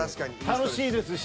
楽しいですし。